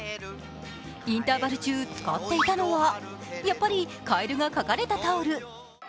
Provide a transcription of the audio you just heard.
インターバル中、使っていたのは、やはり、かえるが描かれたタオル。